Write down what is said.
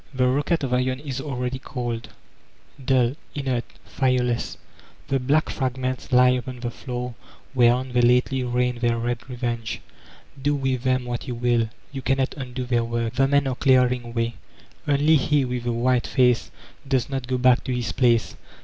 The rocket of iron is already cold ; dull, inert, fire less, the black fragments lie upon the floor whereon they lately rained their red revenge. Do with them what you will, you cannot undo their work. The men are clearing way. Only he with the white face docs not go back to his place.